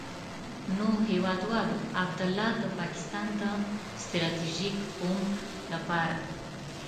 نو هېوادوالو، عبدالله د پاکستان د ستراتيژيک عمق لپاره.